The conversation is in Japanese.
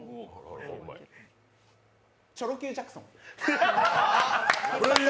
チョロＱジャクソン。